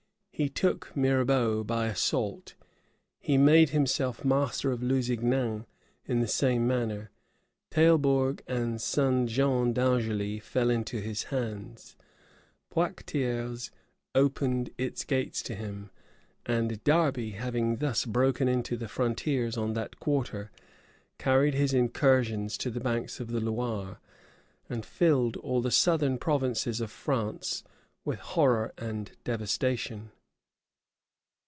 He took Mirebeau by assault: he made himself master of Lusignan in the same manner: Taillebourg and St. Jean d'Angeli fell into his hands: Poictiers opened its gates to him; and Derby, having thus broken into the frontiers on that quarter, carried his incursions to the banks of the Loire, and filled all the southern provinces of France with horror and devastation.